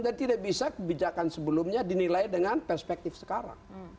dan tidak bisa kebijakan sebelumnya dinilai dengan perspektif sekarang